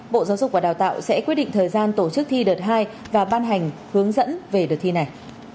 bộ giáo dục và đào tạo sẽ quyết định thời gian tổ chức thi đợt hai và ban hành hướng dẫn về đợt thi này